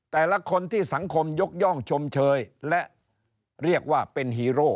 แต่ละคนที่สังคมยกย่องชมเชยและเรียกว่าเป็นฮีโร่